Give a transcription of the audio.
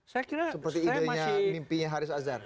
seperti inginnya haris azhar